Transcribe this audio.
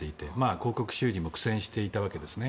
広告収入も苦戦していたわけですね。